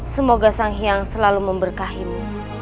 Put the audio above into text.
semoga sang hyang selalu memberkahimu